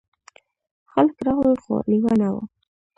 خلک راغلل خو لیوه نه و.